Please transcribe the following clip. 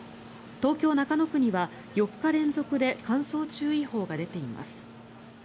東京・中野区には４日連続で乾燥注意報が出ています。